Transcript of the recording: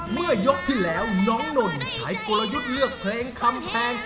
เมื่อยกที่แล้วน้องนนใช้กลยุทธ์เลือกเพลงคำแพง